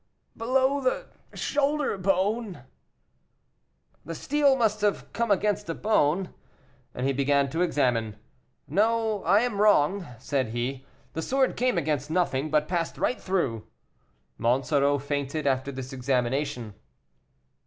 "Below the shoulder bone." "The steel must have come against a bone." And he began to examine. "No, I am wrong," said he, "the sword came against nothing, but passed right through." Monsoreau fainted after this examination.